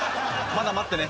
まだ待ってね。